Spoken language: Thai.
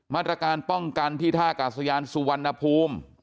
มาตรการป้องกันที่ท่ากาศยานสุวรรณภูมิ